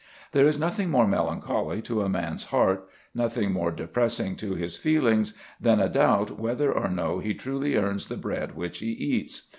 There is nothing more melancholy to a man's heart, nothing more depressing to his feelings, than a doubt whether or no he truly earns the bread which he eats.